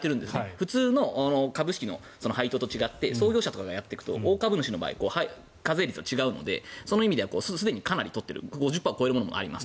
普通の株式の配当と違って創業者とかがやると大株主の場合課税率が違うのですでにかなり取っている５０％を超えるものもあります。